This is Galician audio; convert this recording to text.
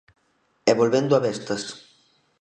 E volvendo a Vestas.